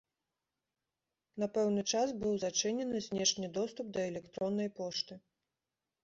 На пэўны час быў зачынены знешні доступ да электроннай пошты.